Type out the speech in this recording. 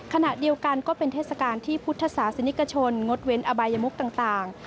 ขณะเดียวกันก็เป็นเทศกาลที่พุทธศาสนิกชนงดเว้นอบายมุกต่าง